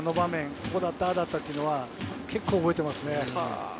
こうだった、ああだったっていうのは結構覚えてますね。